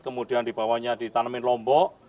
kemudian dibawanya ditanamin lombok